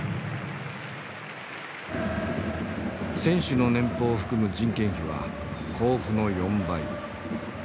選手の年俸を含む人件費は甲府の４倍。